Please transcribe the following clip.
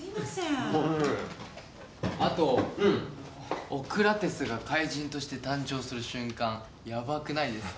あとオクラテスが怪人として誕生する瞬間やばくないですか？